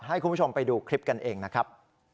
ให้คุณผู้ชมไปดูคลิปกันเองนะครับ